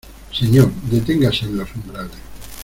señor, deténgase en los umbrales.